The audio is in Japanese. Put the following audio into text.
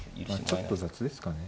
ちょっと雑ですかね。